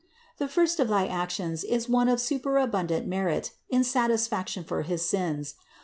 The first of thy actions is one of superabundant merit in satisfaction for his sins.